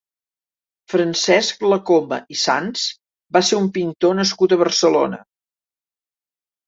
Francesc Lacoma i Sans va ser un pintor nascut a Barcelona.